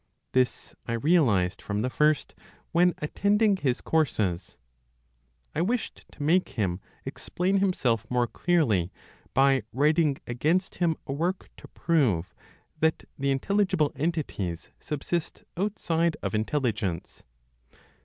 This I realized from the first, when attending his courses. I wished to make him explain himself more clearly by writing against him a work to prove that the intelligible entities subsist outside of intelligence.